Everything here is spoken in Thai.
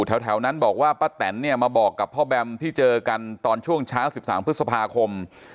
แถวนั้นบอกว่าป้าแตนเนี่ยมาบอกกับพ่อแบมที่เจอกันตอนช่วงเช้า๑๓พฤษภาคม